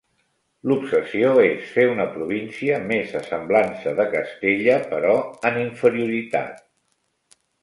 L'obsessió és fer una província més a semblança de Castella, però en inferioritat.